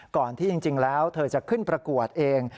ก่อนที่จริงแล้วเธอจะขึ้นประกวดเอง